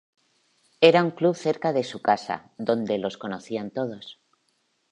Era un club cerca de su casa, donde los conocían todos.